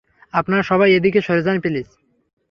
আপনারা সবাই এদিকে সরে যান, প্লিজ!